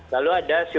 lalu ada seterusnya